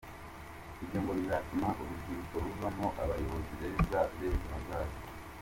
Ibyo ngo bizatuma urubyiruko ruvamo abayobozi beza b’ejo hazaza.